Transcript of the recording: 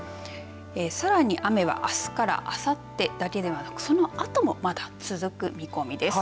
さらに雨はあすからあさってだけでなくそのあともまだ続く見込みです。